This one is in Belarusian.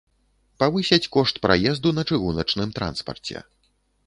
Павысяць кошт праезду на чыгуначным транспарце.